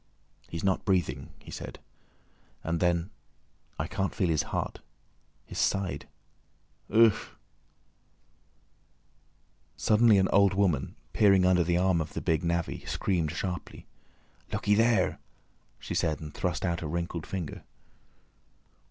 "He's not breathing," he said, and then, "I can't feel his heart. His side—ugh!" Suddenly an old woman, peering under the arm of the big navvy, screamed sharply. "Looky there!" she said, and thrust out a wrinkled finger.